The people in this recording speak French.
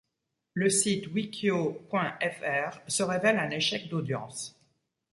Le site Wikio.fr se révèle un échec d'audience.